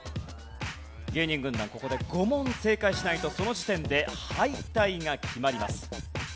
芸人軍団ここで５問正解しないとその時点で敗退が決まります。